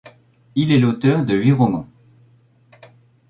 Il est l'auteur de huit romans.